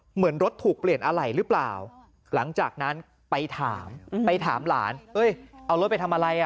เหมือนรถถูกเปลี่ยนอะไรหรือเปล่าหลังจากนั้นไปถามไปถามหลานเอ้ยเอารถไปทำอะไรอ่ะ